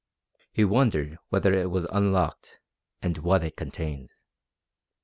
He wondered whether it was unlocked, and what it contained.